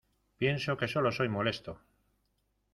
Pienso que solo soy molesto.